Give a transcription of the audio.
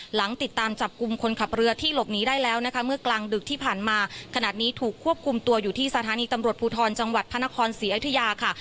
หลังติดตามจับกลุ่มคนขับเรือที่หลบหนีได้แล้วนะคะเมื่อกลางดึกที่ผ่านมาขนาดนี้ถูกควบคุมตัวอยู่ที่สถานีตำรวจภูทรจังหวัดพระนครศรีอยุธยาค่ะ